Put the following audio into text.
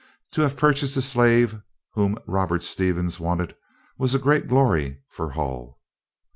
To have purchased a slave whom Robert Stevens wanted, was great glory for Hull.